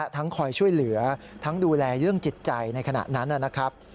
คอยช่วยเหลือทั้งดูแลเรื่องจิตใจในขณะนั้นนะครับ